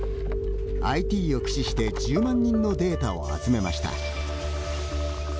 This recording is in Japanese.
ＩＴを駆使して１０万人のデータを集めました。